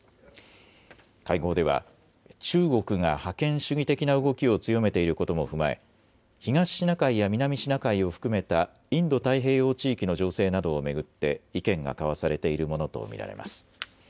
会合では中国が覇権主義的な動きを強めていることも踏まえ東シナ海や南シナ海を含めたインド太平洋地域の情勢などを巡って意見が交わされているものと見られます。